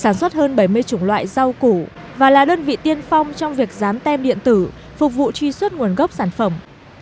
sản xuất hơn bảy mươi chủng loại rau củ và là đơn vị tiên phong trong việc dán tem điện tử phục vụ truy xuất nguồn gốc sản phẩm